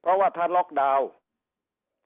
เพราะว่าถ้าล็อกดาวน์